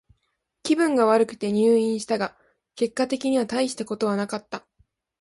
気分が悪くて入院したが、結果的にはたいしたことはなかった。